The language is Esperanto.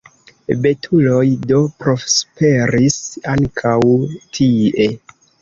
Betuloj do prosperis ankaŭ tie.